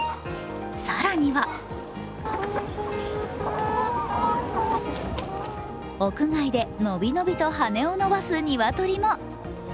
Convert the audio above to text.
更には屋外でのびのびと羽を伸ばす鶏も。